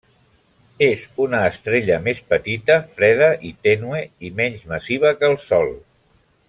És una estrella més petita, freda i tènue i menys massiva que el Sol.